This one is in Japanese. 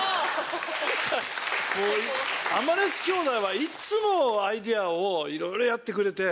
アマレス兄弟はいつもアイデアいろいろやってくれて。